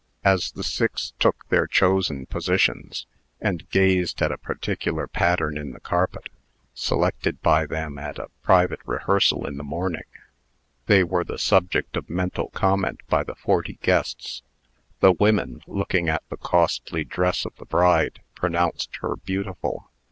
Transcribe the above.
As the six took their chosen positions, and gazed at a particular pattern in the carpet, selected by them at a private rehearsal in the morning, they were the subject of mental comment by the forty guests. The women, looking at the costly dress of the bride, pronounced her beautiful.